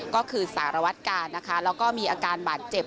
ก็คือสารวัตกาลนะคะแล้วก็มีอาการบาดเจ็บ